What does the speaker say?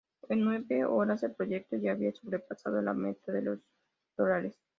En nueve horas, el proyecto ya había sobrepasado la meta de los de dolares.